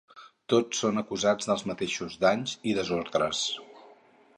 Tots són acusats dels mateixos danys i desordres.